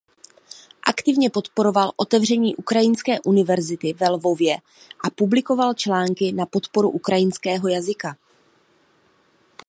Aktivně podporoval otevření ukrajinské univerzity ve Lvově a publikoval články na podporu ukrajinského jazyka.